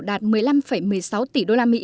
đạt một mươi năm một mươi sáu tỷ usd